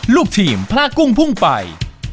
ลูกทีมพลากุ้งพุ่งไป